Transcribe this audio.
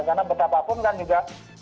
karena betapapun kan juga